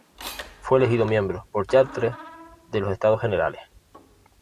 Fue elegido miembro, por Chartres, de los Estados generales.